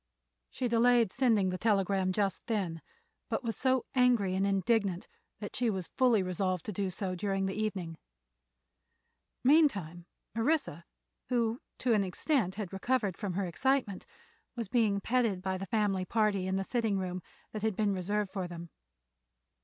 She delayed sending the telegram just then, but was so angry and indignant that she was fully resolved to do so during the evening. Meantime Orissa, who to an extent had recovered from her excitement, was being petted by the family party in the sitting room that had been reserved for them.